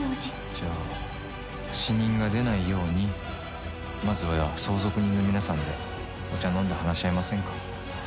「じゃあ死人が出ないようにまずは相続人の皆さんでお茶飲んで話し合いませんか？」